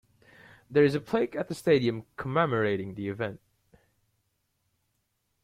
There is a plaque at the stadium commemorating the event.